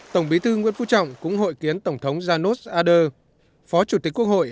tổng bí thư nguyễn phú trọng cũng hội kiến tổng thống janos ader phó chủ tịch quốc hội